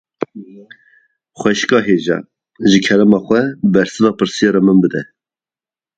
Xwişka hêja, ji kerema xwe bersiva pirsyara min bide